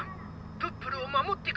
プップルをまもってください」。